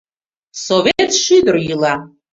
Совет шӱдыр йӱла!